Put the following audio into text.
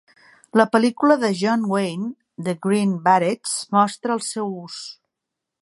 La pel.lícula de John Wayne "The Green Berets" mostra el seu ús.